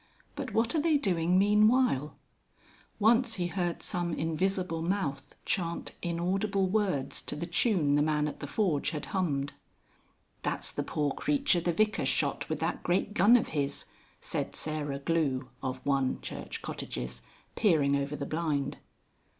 "But what are they doing meanwhile?" Once he heard some invisible mouth chant inaudible words to the tune the man at the forge had hummed. "That's the poor creature the Vicar shot with that great gun of his," said Sarah Glue (of 1, Church Cottages) peering over the blind.